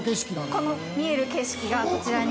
◆この見える景色がこちらに。